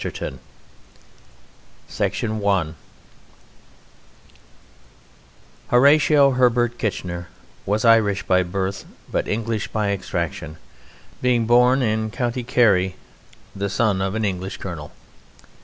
_] LORD KITCHENER Horatio Herbert Kitchener was Irish by birth but English by extraction, being born in County Kerry, the son of an English colonel.